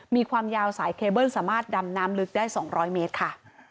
มีความยาวสายเคเบิ้ลสามารถดำน้ำลึกได้๒๐๐เมตรค่ะ